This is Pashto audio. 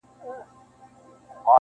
قاسم یاره ته په رنګ د زمانې سه,